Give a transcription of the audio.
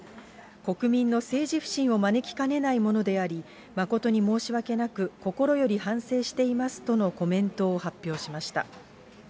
国民の政治不信を招きかねないものであり、誠に申し訳なく、心より反省していますとのコメントを発表しました。